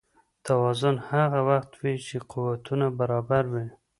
توازن هغه وخت وي چې قوتونه برابر وي.